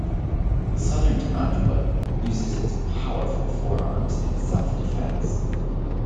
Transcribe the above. The southern tamandua uses its powerful forearms in self-defense.